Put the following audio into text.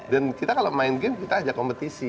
dan kita kalau main game kita ajak kompetisi